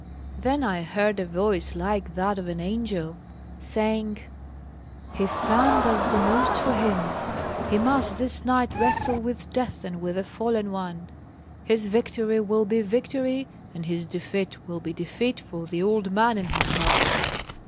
Then I heard a voice like that of an angel, saying, 'His son does the most for him! He must this night wrestle with death and with the fallen one! His victory will be victory, and his defeat will be defeat, for the old man and himself.